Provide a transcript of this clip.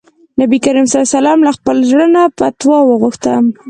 نبي کريم ص له خپل زړه نه فتوا وغوښته.